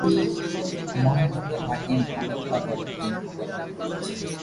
মহানগর হাকিম আদালত তিন প্রকারের রয়েছে।